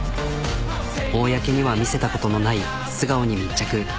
公には見せたことのない素顔に密着。